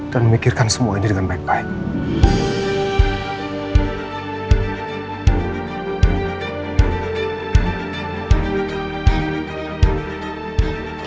dan memikirkan semua ini dengan baik baik